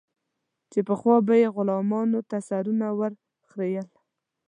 چې پخوا به یې غلامانو ته سرونه ور خرئېل.